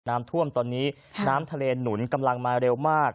น้ำท่วมตอนนี้น้ำทะเลหนุนกำลังมาเร็วมาก